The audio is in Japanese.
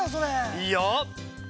いいよ。